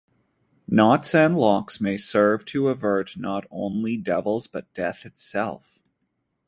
Knots and locks may serve to avert not only devils but death itself.